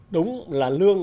đúng là lương